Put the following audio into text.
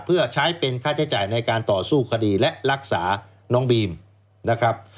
เพื่อใช้เป็นค่าใช้จ่ายในการต่อสู้คดีและรักษาน้องบีมนะครับ